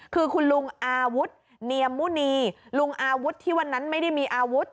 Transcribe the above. คือคุณลุงอาวุธเนียมมุณีลุงอาวุธที่วันนั้นไม่ได้มีอาวุธ